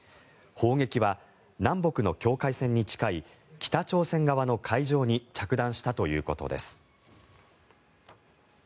砲撃は南北の境界線に近い北朝鮮側の海上に着弾したということです。